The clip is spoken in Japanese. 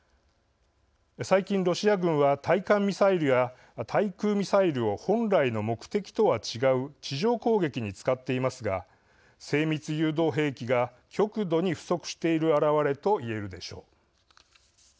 最近、ロシア軍は対艦ミサイルや対空ミサイルを本来の目的とは違う地上攻撃に使っていますが精密誘導兵器が極度に不足している表れと言えるでしょう。